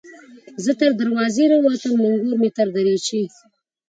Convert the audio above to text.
ـ زه تر دروازې راوتم نګور مې تر دريچې